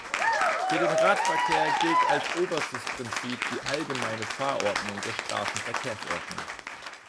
Für den Radverkehr gilt als oberstes Prinzip die allgemeine Fahrordnung der Straßenverkehrsordnung.